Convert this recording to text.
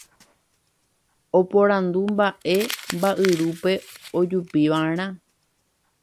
Oporandu mba'e mba'yrúpe ojupiva'erã.